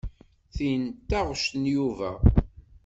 Tin d taɣect n Yuba.